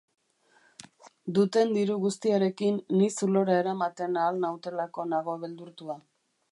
Duten diru guztiarekin ni zulora eramaten ahal nautelako nago beldurtua.